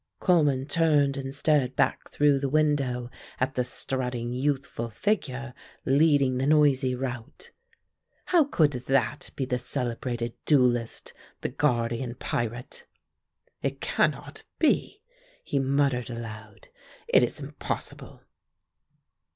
Coleman turned and stared back through the window at the strutting youthful figure leading the noisy rout. How could that be the celebrated duellist, the guardian pirate! "It cannot be," he muttered aloud. "It is impossible."